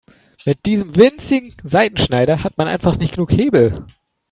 Mit diesem winzigen Seitenschneider hat man einfach nicht genug Hebel.